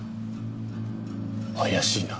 怪しいな。